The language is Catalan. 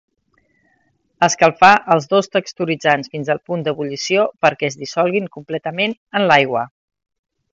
Escalfar els dos texturitzants fins al punt d'ebullició perquè es dissolguin completament en l'aigua.